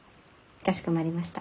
かしこまりました。